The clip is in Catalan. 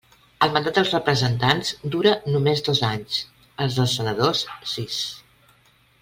El mandat dels representants dura només dos anys; el dels senadors, sis.